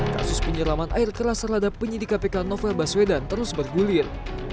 kasus penyeraman air keras terhadap penyidik kpk novel baswedan terus bergulir